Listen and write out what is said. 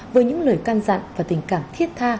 với những lời can dặn và tình cảm thiết tha